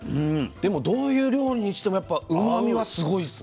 でもどういう料理にしてもやっぱうまみはすごいですね。